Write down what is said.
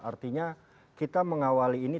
artinya kita mengawali ini